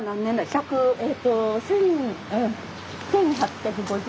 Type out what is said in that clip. １０００１８５０。